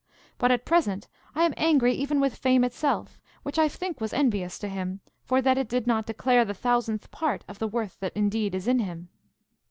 But at present I am angry even with fame itself, which I think was envious to him, for that it did not declare the thousandth part of the worth that indeed is in him.